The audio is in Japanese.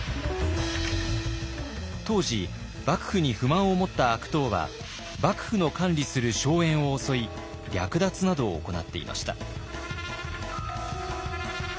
当時幕府に不満を持った悪党は幕府の管理する荘園を襲い略奪などを行っていました。